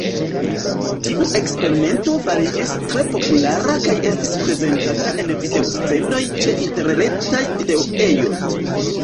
Tiu eksperimento fariĝis tre populara kaj estis prezentata en video-scenoj ĉe interretaj video-ejoj.